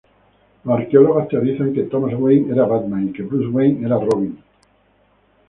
Los arqueólogos teorizan que Thomas Wayne era Batman y que Bruce Wayne era Robin.